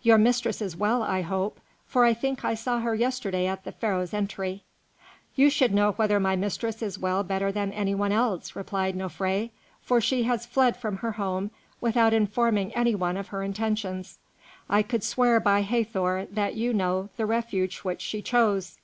"Your mistress is well, I hope, for I think I saw her yesterday at the Pharaoh's entry." "You should know whether my mistress is well better than any one else," replied Nofré; "for she has fled from her home without informing any one of her intentions. I could swear by Hathor that you know the refuge which she chose."